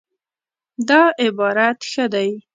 دا عبارت ښه دی